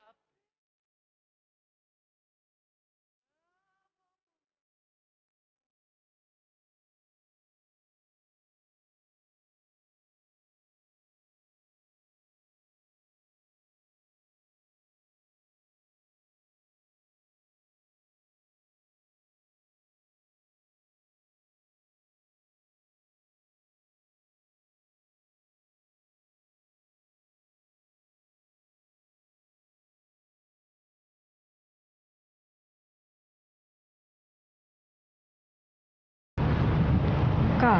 ya allah makasih anak ya